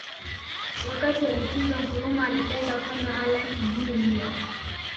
Wakati wa likizo Nkrumah alipenda kwenda Harlem mjini New York